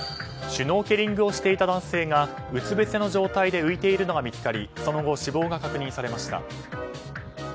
シュノーケリングをしていた男性がうつぶせの状態で浮いているのが見つかりその後、死亡が確認されました。